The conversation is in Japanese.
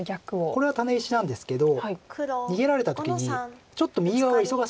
これはタネ石なんですけど逃げられた時にちょっと右側が忙しいんですよね。